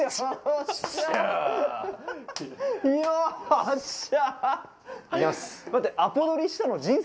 よっしゃ。